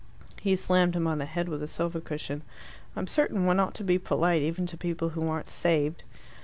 He slammed him on the head with a sofa cushion. "I'm certain one ought to be polite, even to people who aren't saved."